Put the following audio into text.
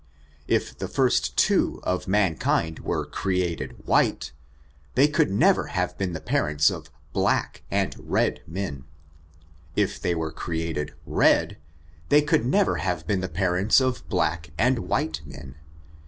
If the first two of human kind were created white, they could never have been the parents of hladc and red men. If they were created red, they could nev er have been the parents of black and white men.